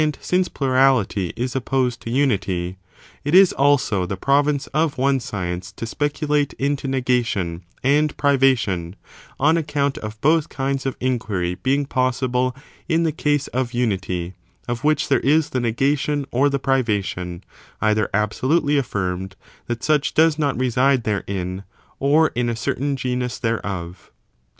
since plurality is opposed to unity,^ it is also the province of one science to speculate into negation and privation, on account of both kinds of inquiry being possible in the case of unity, of which there is the negation or the privation, either absolutely afl&rmed that such does not reside therein, or in a certain genus thereof.